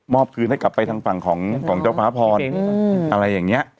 มอบคืนให้กลับไปทางฝั่งของเจ้าพระภรรย์อะไรอย่างเงี้ย